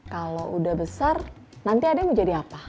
kalau udah besar nanti ade mau jadi apa